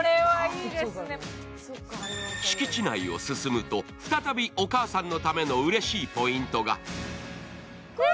敷地内を進むと再びお母さんのためのうれしいポイントが。